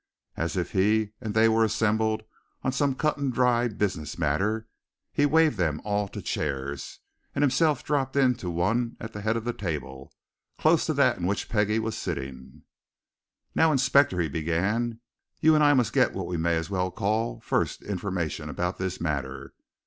As if he and they were assembled on some cut and dried business matter, he waved them all to chairs, and himself dropped into one at the head of the table, close to that in which Peggie was sitting. "Now, inspector," he began, "you and I must get what we may as well call first information about this matter.